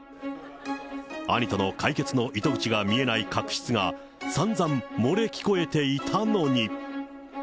兄との解決の糸口が見えない確執がさんざん漏れ聞こえていたのに。